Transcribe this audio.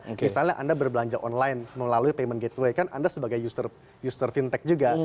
misalnya anda berbelanja online melalui payment gateway kan anda sebagai user fintech juga